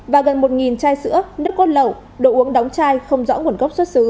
và gần một chai sữa nước cốt lẩu đồ uống đóng chai không dùng